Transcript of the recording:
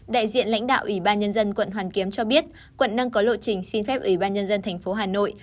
đại diện lãnh đạo ủy ban nhân dân quận hoàn kiếm cho biết quận đang có lộ trình xin phép ủy ban nhân dân tp hà nội